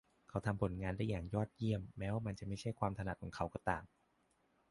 เขาทำผลงานได้อย่างยอดเยี่ยมแม้ว่ามันจะไม่ใช่ความถนัดของเขาก็ตาม